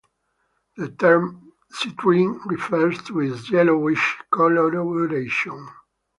The term "citrine" refers to its yellowish colouration.